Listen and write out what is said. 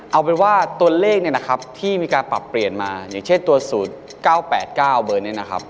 เอาเป็นว่าตัวเลขเนี่ยนะครับที่มีการปรับเปลี่ยนมาอย่างเช่นตัว๐๙๘๙เบอร์นี้นะครับ